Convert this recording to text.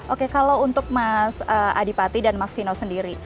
oke kalau untuk mas adipati dan mas vino sendiri